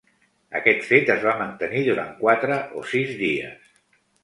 Aquest fet es va mantenir duran quatre o sis dies.